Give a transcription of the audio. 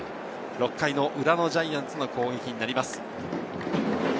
６回裏のジャイアンツの攻撃になります。